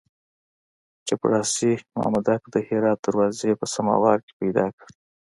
چپړاسي مامدک د هرات دروازې په سماوار کې پیدا کړ.